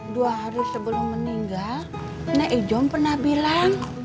dua hari sebelum meninggal nek ijong pernah bilang